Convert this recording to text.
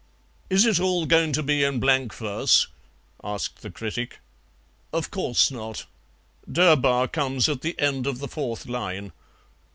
"Is it all going to be in blank verse?" asked the critic. "Of course not; 'Durbar' comes at the end of the fourth line."